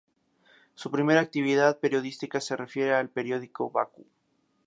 Su primera actividad periodística se refiere al periódico "Bakú".